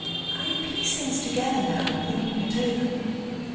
I piece things together now in thinking it over.